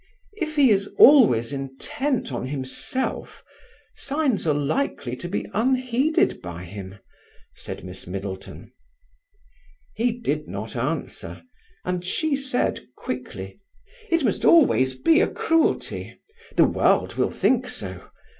"If he is always intent on himself, signs are likely to be unheeded by him," said Miss Middleton. He did not answer, and she said, quickly: "It must always be a cruelty. The world will think so.